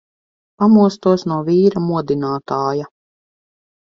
Pamostos no vīra modinātāja.